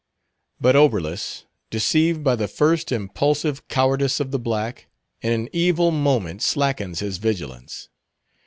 But Oberlus, deceived by the first impulsive cowardice of the black, in an evil moment slackens his vigilance.